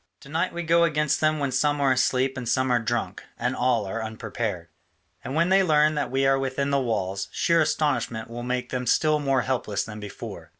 To night we go against them when some are asleep and some are drunk, and all are unprepared: and when they learn that we are within the walls, sheer astonishment will make them still more helpless than before.